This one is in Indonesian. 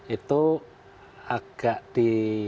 itu agak di